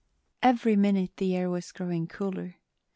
] Every minute the air was growing cooler.